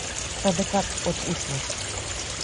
— Садыгак от утло.